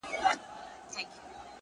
چي له سترگو څخه اوښكي راسي-